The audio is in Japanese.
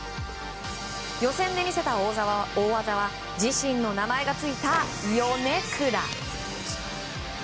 予選で見せた大技は自身の名前がついたヨネクラ。